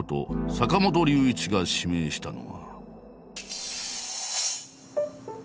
坂本龍一が指名したのは。